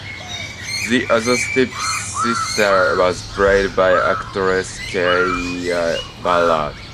The other stepsister was played by actress Kaye Ballard.